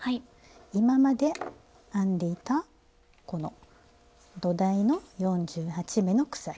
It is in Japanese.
今まで編んでいたこの土台の４８目の鎖。